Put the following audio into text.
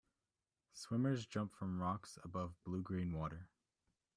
Swimmers jump from rocks above bluegreen water.